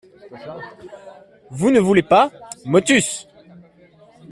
Vous ne voulez pas ? MOTUS.